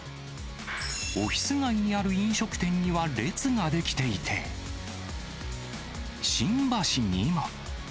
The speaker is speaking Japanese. オフィス街にある飲食店には、列が出来ていて、新橋にも。